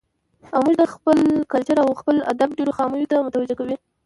او موږ د خپل کلچر او خپل ادب ډېرو خاميو ته متوجه کوي.